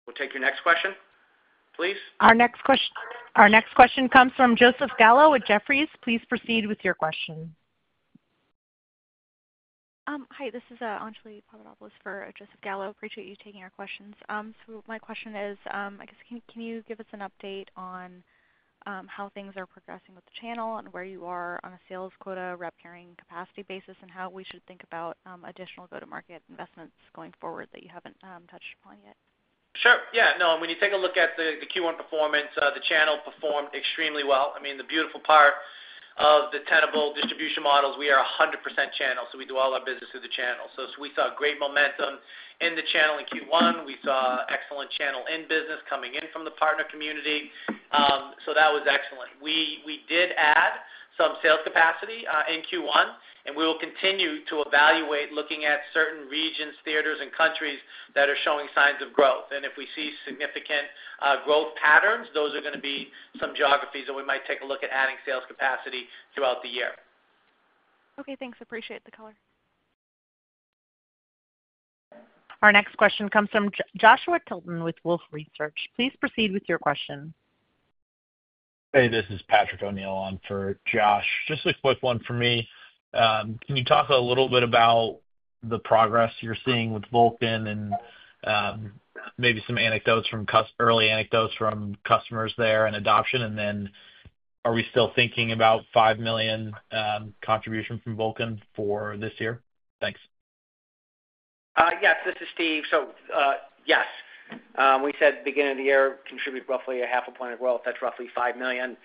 We'll take your next question, please. Our next question comes from Joseph Gallo with Jefferies. Please proceed with your question. Hi. This is Anjali Papadopoulos for Joseph Gallo. Appreciate you taking our questions. My question is, I guess, can you give us an update on how things are progressing with the channel and where you are on a sales quota, rep carrying capacity basis, and how we should think about additional go-to-market investments going forward that you have not touched upon yet? Sure. Yeah. No, when you take a look at the Q1 performance, the channel performed extremely well. I mean, the beautiful part of the Tenable distribution model is we are 100% channel. So we do all our business through the channel. We saw great momentum in the channel in Q1. We saw excellent channel business coming in from the partner community. So that was excellent. We did add some sales capacity in Q1, and we will continue to evaluate looking at certain regions, theaters, and countries that are showing signs of growth. And if we see significant growth patterns, those are going to be some geographies that we might take a look at adding sales capacity throughout the year. Okay. Thanks. Appreciate the color. Our next question comes from Joshua Tilton with Wolfe Research. Please proceed with your question. Hey, this is Patrick O'Neill on for Josh. Just a quick one for me. Can you talk a little bit about the progress you're seeing with Vulcan and maybe some early anecdotes from customers there and adoption? And then are we still thinking about $5 million contribution from Vulcan for this year? Thanks. Yeah. This is Steve. So Yeah. We said at the beginning of the year, contribute roughly half a point of growth. That is roughly $5 million.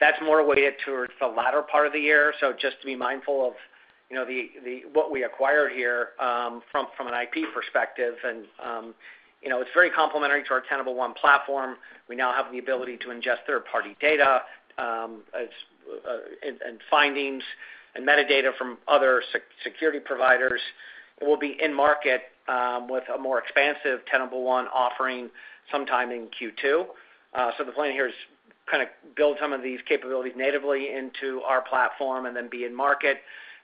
That is more weighted towards the latter part of the year. So just to be mindful of you know what we acquired here from an IP perspective. And you know it's very complementary to our Tenable One platform. We now have the ability to ingest third-party data and findings and metadata from other security providers. It will be in market with a more expansive Tenable One offering sometime in Q2. So the plan here is kind of build some of these capabilities natively into our platform and then be in market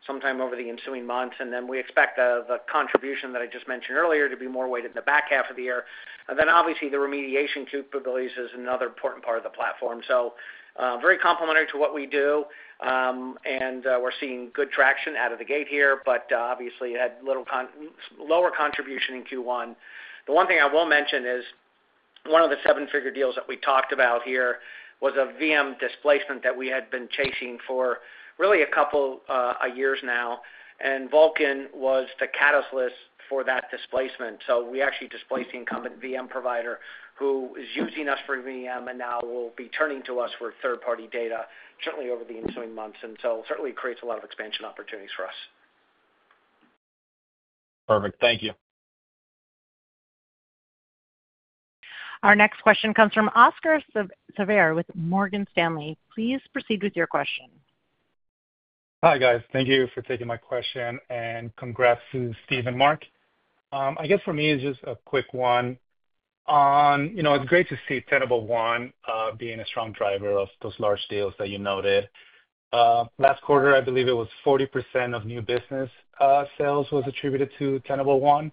sometime over the ensuing months. We expect the contribution that I just mentioned earlier to be more weighted in the back half of the year. And then obviously, the remediation is another important part of the platform. So very complementary to what we do. And we are seeing good traction out of the gate here, but obviously had lower contribution in Q1. The one thing I will mention is one of the seven-figure deals that we talked about here was a VM displacement that we had been chasing for really a couple of years now. And Vulcan was the catalyst for that displacement. So we actually displaced the incumbent VM provider who is using us for VM and now will be turning to us for third-party data certainly over the ensuing months. And so this certainly creates a lot of expansion opportunities for us. Perfect. Thank you. Our next question comes from Oscar Saavedra with Morgan Stanley. Please proceed with your question. Hi guys. Thank you for taking my question. And congrats to Steve and Mark. I guess for me, it's just a quick one. You know it's great to see Tenable One being a strong driver of those large deals that you noted. Last quarter, I believe it was 40% of new business sales was attributed to Tenable One.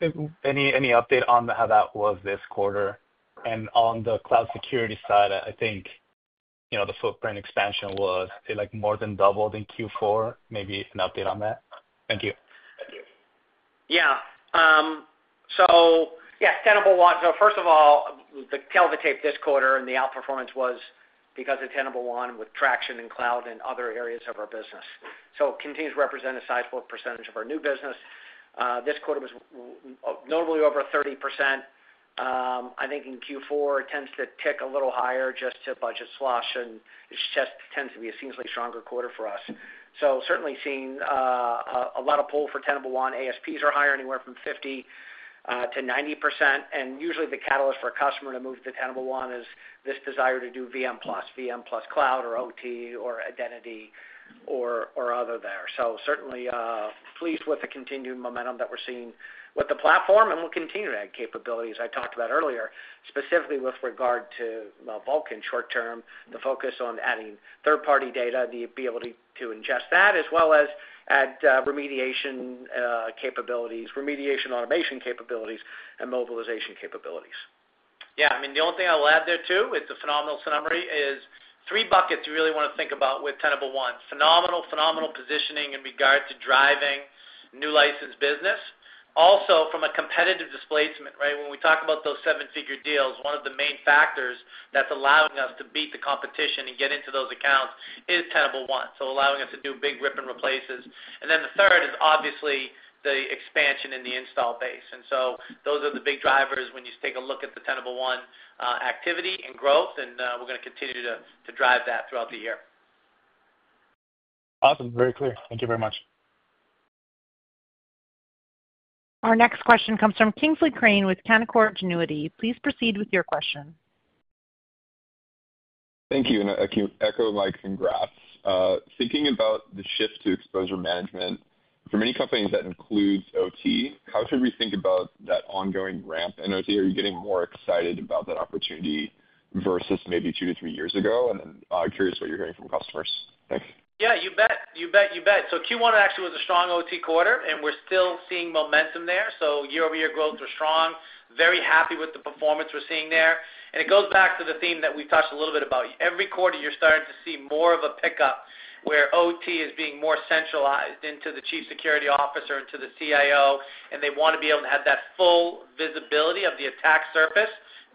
Any update on how that was this quarter? And on the cloud security side, I think you know the footprint expansion was more than doubled in Q4. Maybe an update on that? Thank you. Thank you. Yeah. So yeah, Tenable One. First of all, this quarter and the outperformance was because of Tenable One with traction in cloud and other areas of our business. So it continues to represent a sizable percentage of our new business. This quarter was notably over 30%. I think in Q4, it tends to tick a little higher just due to budget slush. It just tends to be a seemingly stronger quarter for us. So certainly seeing a lot of pull for Tenable One. ASPs are higher, anywhere from 50%-90. Usually, the catalyst for a customer to move to Tenable One is this desire to do VM Plus, VM Plus Cloud, or OT, or identity, or other there. So certainly pleased with the continued momentum that we're seeing with the platform. We'll continue to add capabilities. I talked about earlier, specifically with regard to Vulcan short-term, the focus on adding third-party data, the ability to ingest that, as well as add remediation capabilities, remediation automation capabilities, and mobilization capabilities. Yeah. I mean, the only thing I'll add there too, it's a phenomenal summary, is three buckets you really want to think about with Tenable One. Phenomenal, phenomenal positioning in regard to driving new license business. Also, from a competitive displacement, right? When we talk about those seven-figure deals, one of the main factors that's allowing us to beat the competition and get into those accounts is Tenable One. Allowing us to do big rip and replaces. And the third is obviously the expansion in the install base. And so those are the big drivers when you take a look at the Tenable One activity and growth. And we're going to continue to drive that throughout the year. Awesome. Very clear. Thank you very much. Our next question comes from Kingsley Crane with Canaccord Genuity. Please proceed with your question. Thank you. I can echo Mike's congrats. Thinking about the shift to exposure management, for many companies that includes OT, how should we think about that ongoing ramp in OT? Are you getting more excited about that opportunity versus maybe two to three years ago? I am curious what you're hearing from customers. Thanks. Yeah. You bet. Q1 actually was a strong OT quarter, and we're still seeing momentum there. So year-over-year growth was strong. Very happy with the performance we're seeing there. It goes back to the theme that we've touched a little bit about. Every quarter, you're starting to see more of a pickup where OT is being more centralized into the Chief Security Officer, into the CIO. They want to be able to have that full visibility of the attack surface,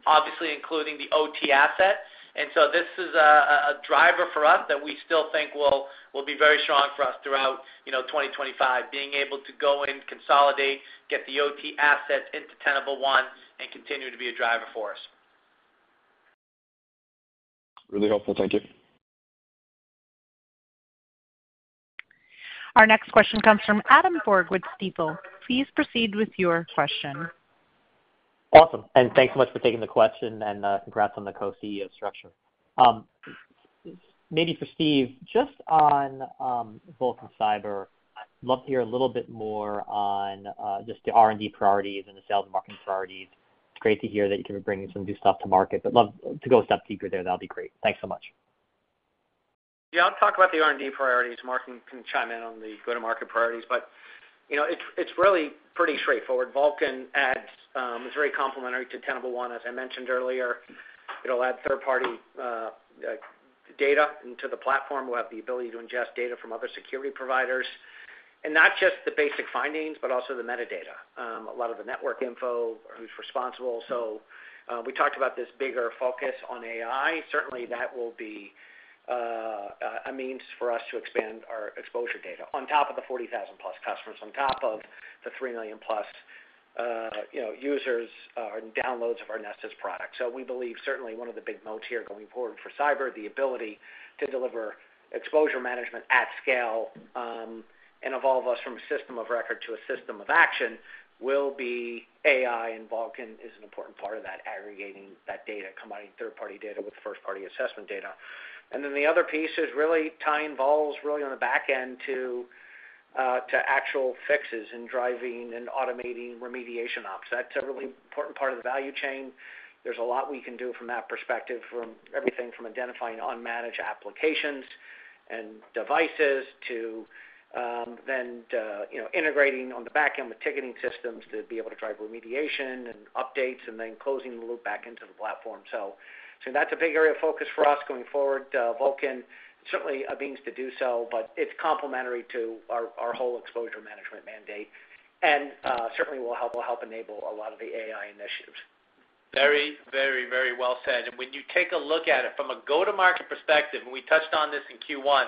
obviously including the OT asset. And so this is a driver for us that we still think will be very strong for us throughout you know 2025, being able to go in, consolidate, get the OT asset into Tenable One, and continue to be a driver for us. Really helpful. Thank you. Our next question comes from Adam Borg with Stifel. Please proceed with your question. Awesome. Thanks so much for taking the question. And congrats on the Co-CEO structure. Maybe for Steve, just on Vulcan Cyber, I'd love to hear a little bit more on just the R&D priorities and the sales and marketing priorities. It's great to hear that you're bringing some new stuff to market. I'd love to go a step deeper there. That'll be great. Thanks so much. Yeah. I'll talk about the R&D priorities. Mark can chime in on the go-to-market priorities. But it's really pretty straightforward. Vulcan is very complementary to Tenable One, as I mentioned earlier. It will add third-party data into the platform. We will have the ability to ingest data from other security providers. And not just the basic findings, but also the metadata, a lot of the network info, who is responsible. So we talked about this bigger focus on AI. Certainly, that will be a means for us to expand our exposure data on top of the 40,000 plus customers, on top of the 3 million plus users and downloads of our Nessus products. We believe certainly one of the big moats here going forward for cyber is the ability to deliver exposure management at scale. And evolve us from a system of record to a system of action will be AI and Vulcan is an important part of that, aggregating that data, combining third-party data with first-party assessment data. And then the other piece is really tying vulns really on the back end to actual fixes and driving and automating remediation ops. That is a really important part of the value chain. There is a lot we can do from that perspective, from everything from identifying unmanaged applications and devices to then integrating on the back end with ticketing systems to be able to drive remediation and updates and then closing the loop back into the platform. So that is a big area of focus for us going forward. Vulcan certainly a means to do so, but it is complementary to our whole Exposure Management mandate. And certainly, we will help enable a lot of the AI initiatives. Very, very, very well said. When you take a look at it from a go-to-market perspective, and we touched on this in Q1,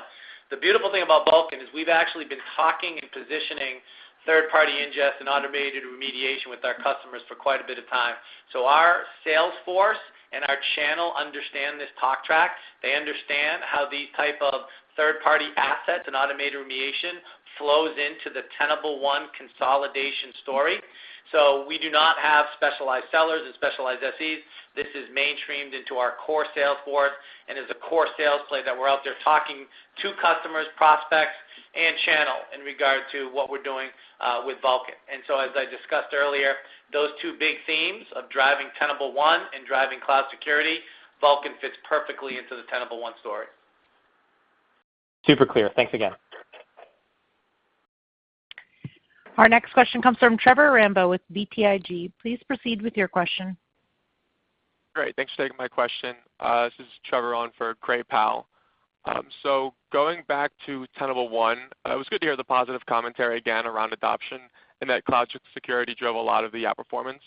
the beautiful thing about Vulcan is we've actually been talking and positioning third-party ingest and automated remediation with our customers for quite a bit of time. So our salesforce and our channel understand this talk track. They understand how these types of third-party assets and automated remediation flows into the Tenable One consolidation story. So we do not have specialized sellers and specialized SEs. This is mainstreamed into our core salesforce and is a core sales play that we're out there talking to customers, prospects, and channel in regard to what we're doing with Vulcan. And so as I discussed earlier, those two big themes of driving Tenable One and driving cloud security, Vulcan fits perfectly into the Tenable One story. Super clear. Thanks again. Our next question comes from Trevor Rambo with BTIG. Please proceed with your question. Great. Thanks for taking my question. This is Trevor on for Gray Powell. So going back to Tenable One, it was good to hear the positive commentary again around adoption and that cloud security drove a lot of the outperformance.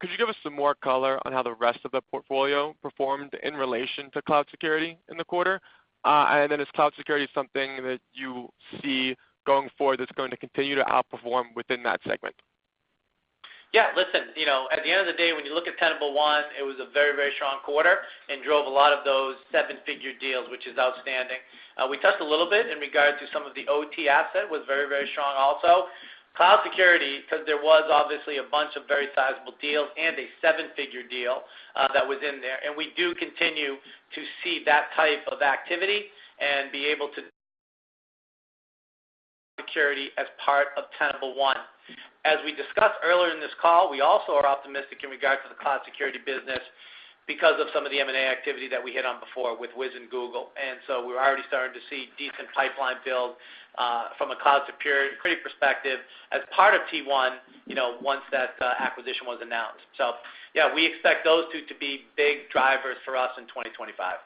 Could you give us some more color on how the rest of the portfolio performed in relation to cloud security in the quarter? Is cloud security something that you see going forward that's going to continue to outperform within that segment? Yeah. Listen, you know at the end of the day, when you look at Tenable One, it was a very, very strong quarter and drove a lot of those seven-figure deals, which is outstanding. We touched a little bit in regard to some of the OT asset was very, very strong also. Cloud security, because there was obviously a bunch of very sizable deals and a seven-figure deal that was in there. And we do continue to see that type of activity and be able to security as part of Tenable One. As we discussed earlier in this call, we also are optimistic in regard to the cloud security business because of some of the M&A activity that we hit on before with Wiz and Google. And so we are already starting to see decent pipeline build from a cloud security perspective as part of T1 once that acquisition was announced. Yeah, we expect those two to be big drivers for us in 2025.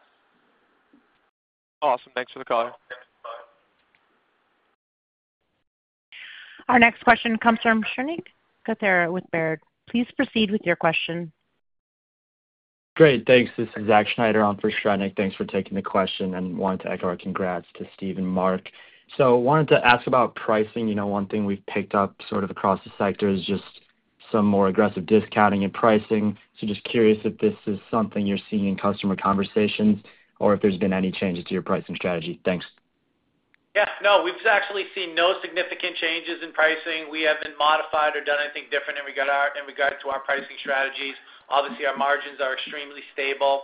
Awesome. Thanks for the call. Our next question comes from Shrenik Kothari with Baird. Please proceed with your question. Great. Thanks. This is Zach Schneider on for Shrenik. Thanks for taking the question. I wanted to echo our congrats to Steve and Mark. So wanted to ask about pricing. You know one thing we've picked up sort of across the sector is just some more aggressive discounting and pricing. I am just curious if this is something you're seeing in customer conversations or if there's been any changes to your pricing strategy. Thanks. Yeah. No, we've actually seen no significant changes in pricing. We haven't modified or done anything different in regard to our pricing strategies. Obviously, our margins are extremely stable.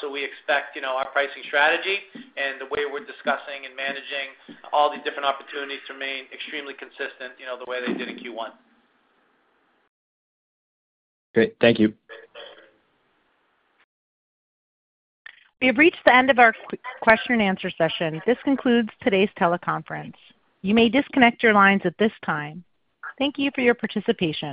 So we expect our pricing strategy and the way we're discussing and managing all these different opportunities to remain extremely consistent the way they did in Q1. Great. Thank you. We have reached the end of our question-and-answer session. This concludes today's teleconference. You may disconnect your lines at this time. Thank you for your participation.